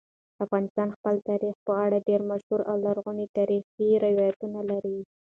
افغانستان د خپل تاریخ په اړه ډېر مشهور او لرغوني تاریخی روایتونه لري.